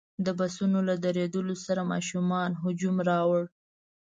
د بسونو له درېدلو سره ماشومانو هجوم راوړ.